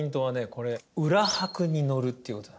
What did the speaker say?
これ「裏拍に乗る」っていうことなんです。